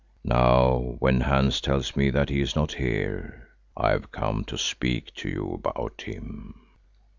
Now when Hansi tells me that he is not here, I have come to speak to you about him."